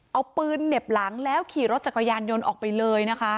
เอาปืนเหน็บหลังแล้วขี่รถจักรยานยนต์ออกไปเลยนะคะ